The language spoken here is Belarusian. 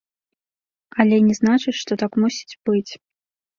Але не значыць, што так мусіць быць.